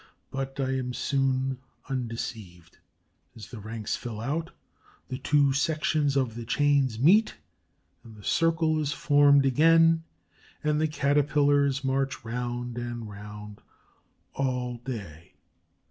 But I am soon undeceived. As the ranks fill out, the two sections of the chain meet and the circle is formed again. Again the Caterpillars march round and round all day.